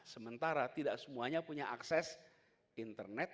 sementara tidak semuanya punya akses internet